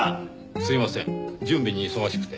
すいません準備に忙しくて。